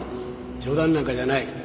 冗談なんかじゃない。